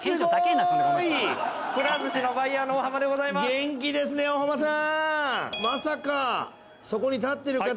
元気ですね大濱さん。